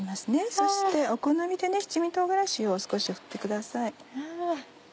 そしてお好みで七味唐辛子を少し振ってください。